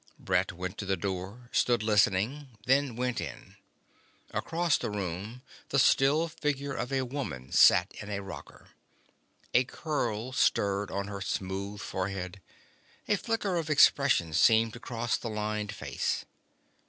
Brett went to the door, stood listening, then went in. Across the room the still figure of a woman sat in a rocker. A curl stirred on her smooth forehead. A flicker of expression seemed to cross the lined face.